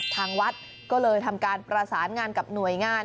ทางวัดก็เลยทำการประสานงานกับหน่วยงาน